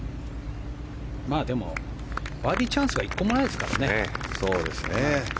でもバーディーチャンスは１個もないですからね。